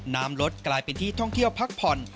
น้ำลดกลายเป็นที่ท่องเที่ยวพักผ่อน